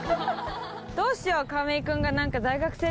どうしよう？